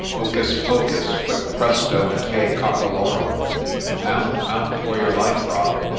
' Hocus Focus I Quick, Presto ! and Hey Cockalorum I Mount, mount for your life, Rob